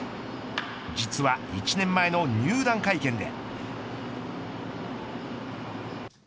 実は１年前の入団会見で。